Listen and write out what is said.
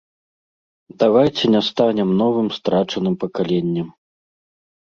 Давайце не станем новым страчаным пакаленнем!